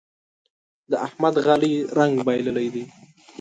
د احمد غالۍ رنګ بايللی دی.